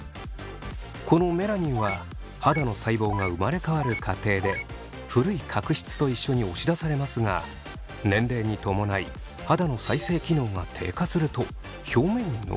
このメラニンは肌の細胞が生まれ変わる過程で古い角質と一緒に押し出されますが年齢に伴い肌の再生機能が低下すると表面に残ってしまいます。